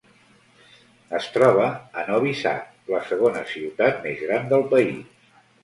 Es troba a Novi Sad, la segona ciutat més gran del país.